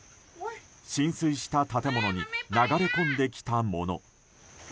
浸水した建物に流れ込んできたもの。